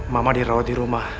mama dirawat di rumah